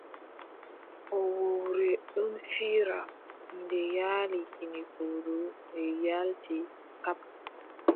Hoowowre ɗon fiira, nde yaali kine fowru, nde yaalti. Kap!